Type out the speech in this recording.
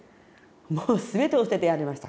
もう全てを捨ててやりました。